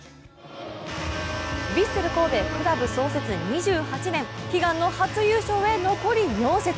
ヴィッセル神戸クラブ創設２８年、悲願の初優勝へ、残り４節。